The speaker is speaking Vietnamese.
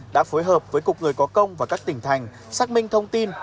đã phối hợp với cục người có công và các tỉnh thành xác minh thông tin